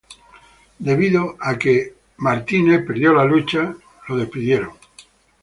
Debido a que Mankind perdió la lucha, fue despedido.